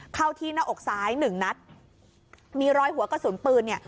เข้าที่หน้าอกซ้ายหนึ่งนัดมีรอยหัวกระสุนปืนเนี่ย